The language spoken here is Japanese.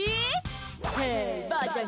へい！ばあちゃん